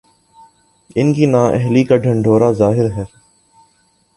ان کی نااہلی کا ڈھنڈورا ظاہر ہے۔